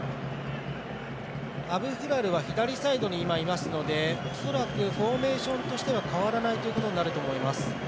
アブフラル左サイドにいますので恐らくフォーメーションとしては変わらないと思います。